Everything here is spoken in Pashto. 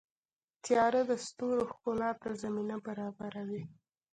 • تیاره د ستورو ښکلا ته زمینه برابروي.